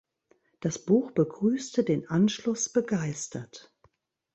Das Buch begrüßte den Anschluss begeistert.